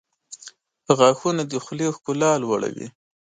• غاښونه د خولې ښکلا لوړوي.